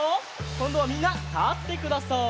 こんどはみんなたってください。